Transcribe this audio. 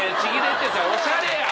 おしゃれや！